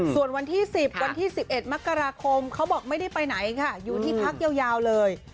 ส่วนวันที่๑๐วันที่๑๑มกราคมเขาบอกไม่ได้ไปไหนค่ะอยู่ที่พักยาวเลย